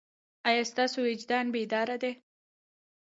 ایا ستاسو وجدان بیدار دی؟